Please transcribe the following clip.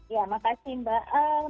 ya makasih mbak